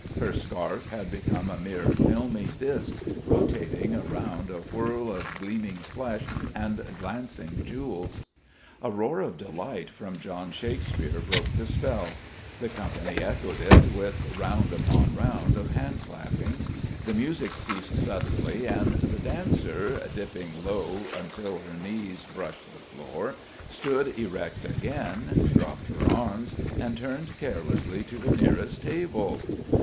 Her scarf had become a mere filmy disc rotating around a whorl of gleaming flesh and glancing jewels. A roar of delight from John Shakespeare broke the spell. The company echoed it with round upon round of hand clapping. The music ceased suddenly, and the dancer, dipping low until her knees brushed the floor, stood erect again, dropped her arms, and turned carelessly to the nearest table.